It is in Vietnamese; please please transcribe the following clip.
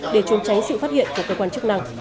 để chống cháy sự phát hiện của cơ quan chức năng